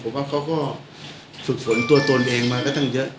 ผมว่าเขาก็ฝึกฝนตัวตนเองมาก็ตั้งเยอะ